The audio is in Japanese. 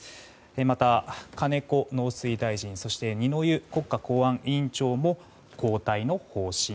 また、金子農水大臣そして二之湯国家公安委員長も交代の方針。